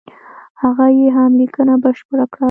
هغه یې هم لیکنه بشپړه کړه.